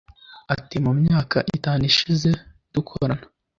Ati “ Mu myaka itanu ishize dukorana